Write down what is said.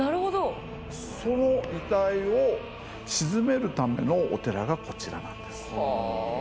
その遺体を鎮めるためのお寺がこちらなんです。